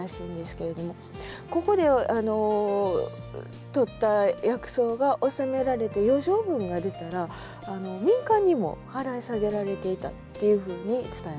ここでとった薬草が納められて余剰分が出たら民間にも払い下げられていたっていうふうに伝えられてます。